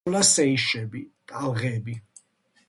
შეისწავლა სეიშები, ტალღები.